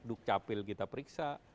duk capil kita periksa